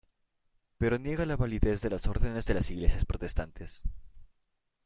Pero niega la validez de las órdenes de las iglesias protestantes.